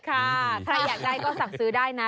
ถ้าอยากได้ก็สั่งซื้อได้นะ